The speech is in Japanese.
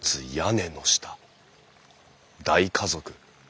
大家族？